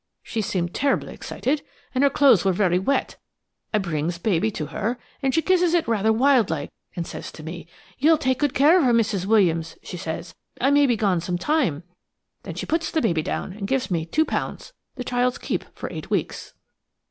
She seemed terribly excited, and her clothes were very wet. I brings baby to her, and she kisses it rather wild like and says to me: 'You'll take great care of her, Mrs. Williams,' she says; ' I may be gone some time.' Then she puts baby down and gives me £2, the child's keep for eight weeks."